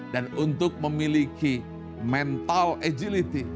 dan untuk memiliki mental agility